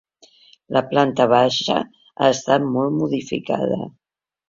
La planta baixa ha estat molt modificada.